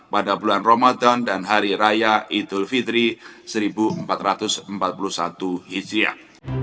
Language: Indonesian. pada bulan ramadan dan hari raya idul fitri seribu empat ratus empat puluh satu hijriah